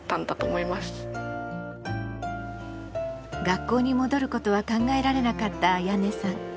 学校に戻ることは考えられなかったあやねさん。